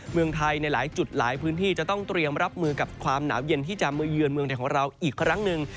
เมืองไทยในหลายจุดหลายพื้นที่จะต้องเตรียมรับมือกับความหนาวเย็นที่จะมาเยือนเมืองไทยของเราอีกครั้งหนึ่ง